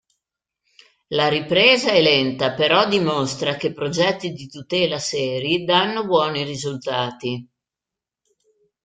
La ripresa è lenta, però dimostra che progetti di tutela seri danno buoni risultati.